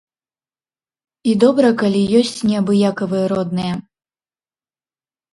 І добра, калі ёсць неабыякавыя родныя.